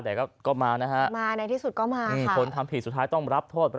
แต่ก็มานะฮะมาในที่สุดก็มามีคนทำผิดสุดท้ายต้องรับโทษไป